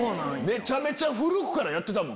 めちゃめちゃ古くからやってた。